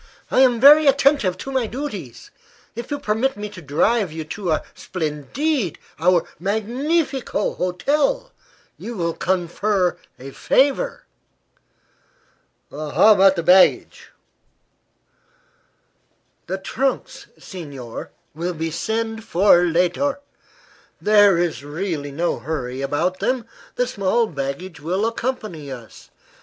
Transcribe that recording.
I am very attentive to my duties. If you permit me to drive you to our splendide our magnifico hotel you will confer a favor." "How about the baggage?" "The trunks, signor, we will send for later. There is really no hurry about them. The small baggage will accompany us.